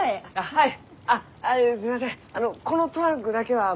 はい。